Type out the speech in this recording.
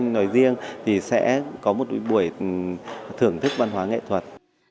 nói riêng thì sẽ có một buổi thưởng thức văn hóa nghệ thuật